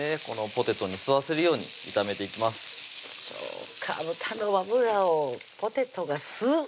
このポテトに吸わせるように炒めていきますそうか豚の脂をポテトが吸う！